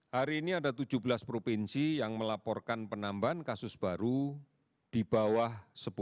hari ini ada tujuh belas provinsi yang melaporkan penambahan kasus baru di bawah sepuluh